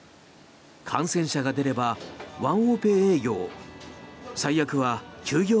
感染者が出ればワンオペ営業。